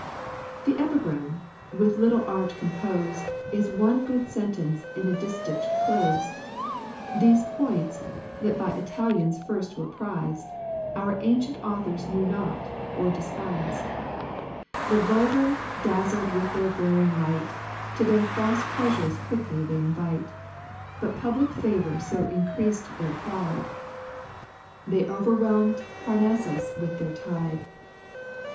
The Epigram, with little art composed, Is one good sentence in a distich closed. These points, that by Italians first were prized, Our ancient authors knew not, or despised; The vulgar, dazzled with their glaring light, To their false pleasures quickly they invite; But public favor so increased their pride, They overwhelmed Parnassus with their tide.